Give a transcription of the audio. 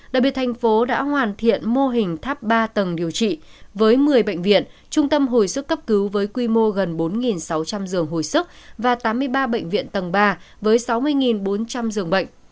đặc biệt thành phố đã hoàn thiện mô hình tháp ba tầng điều trị với một mươi bệnh viện trung tâm hồi sức cấp cứu với quy mô gần bốn sáu trăm linh giường hồi sức và tám mươi ba bệnh viện tầng ba với sáu mươi bốn trăm linh giường bệnh